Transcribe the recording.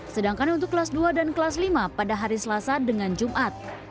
sedangkan untuk kelas dua dan kelas lima pada hari selasa dengan jumat